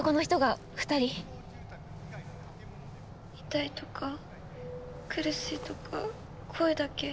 ☎痛いとか苦しいとか声だけ。